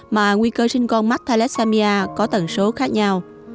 mà nguy cơ sinh con mắc thalesamia có tầng số khác nhau